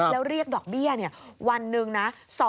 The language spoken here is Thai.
แล้วเรียกดอกเบี้ยวันหนึ่งนะ